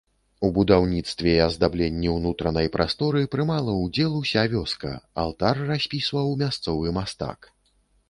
У будаўніцтве і аздабленні ўнутранай прасторы прымала ўдзел уся вёска, алтар распісваў мясцовы мастак.